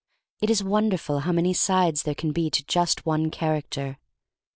It is wonderful how many sides there can be to just one character.